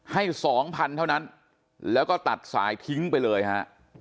ให้สองพันเท่านั้นแล้วก็ตัดสายทิ้งไปเลยฮะ